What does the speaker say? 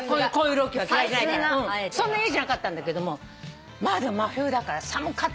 そんな嫌じゃなかったんだけども真冬だから寒かったわ。